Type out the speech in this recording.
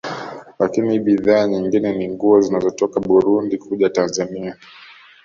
Lakini bidhaa nyingine ni nguo zinazotoka Burundi kuja Tanzania